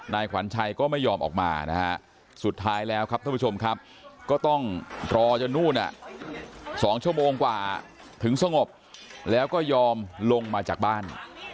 นายขวัญชัยก็ไม่ยอมออกมานะฮะสุดท้ายแล้วครับท่านผู้ชมครับก็ต้องรอจนนู่น๒ชั่วโมงกว่าถึงสงบแล้วก็ยอมลงมาจากบ้าน